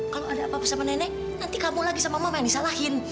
kalau ada apa apa sama nenek nanti kamu lagi sama mama yang disalahin